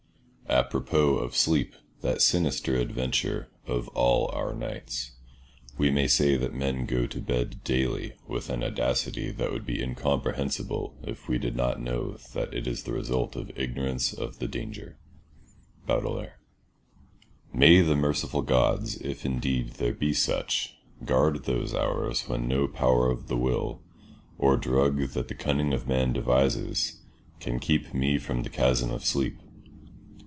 "Apropos of sleep, that sinister adventure of all our nights, we may say that men go to bed daily with an audacity that would be incomprehensible if we did not know that it is the result of ignorance of the danger." —Baudelaire. May the merciful gods, if indeed there be such, guard those hours when no power of the will, or drug that the cunning of man devises, can keep me from the chasm of sleep.